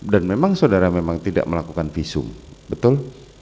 dan memang saudara tidak melakukan visum betul